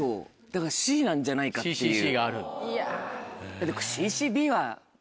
だからＣなんじゃないかっていう。